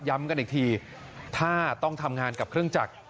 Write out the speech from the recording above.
กันอีกทีถ้าต้องทำงานกับเครื่องจักร